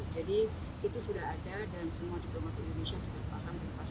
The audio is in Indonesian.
jadi itu sudah ada dan semua diplomat indonesia sudah paham dan mempastikan untuk melakukannya